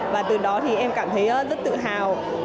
và từ đó thì em cảm thấy rất tự hào